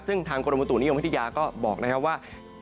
ซึ่งทางกรมบุตุนิยมวิทยาก็บอกนะครับว่า